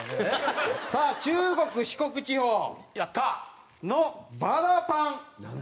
さあ中国・四国地方のバラパン。